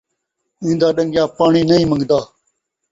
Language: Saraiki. ایندا ݙنگیا پاݨی نئیں منگدا